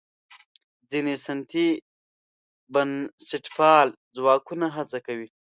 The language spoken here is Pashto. ځینې سنتي بنسټپال ځواکونه هڅه کوي.